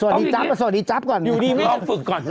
ส่วนพี่นี้ลองฝึกก่อนร้องพี่นี้ทานความกลายความอุ่ยก่อน